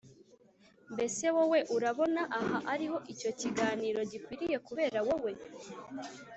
mbese wowe urabona aha ariho icyo kiganiro gikwiriye kubera wowe